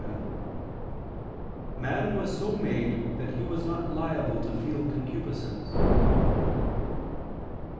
vii): "Man was so made that he was not liable to feel concupiscence."